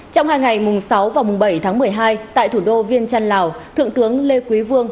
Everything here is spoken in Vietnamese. trong hai ngày mùng sáu và mùng bảy tháng một mươi hai tại thủ đô viên trăn lào thượng tướng lê quý vương